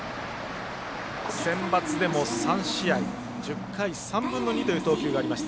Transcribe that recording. センバツでも３試合１０回３分の２という投球がありました。